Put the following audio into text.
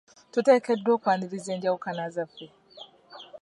Tuteekeddwa okwaniriza enjawukana zaffe?